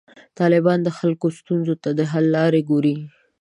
طالبان د خلکو ستونزو ته د حل لارې ګوري.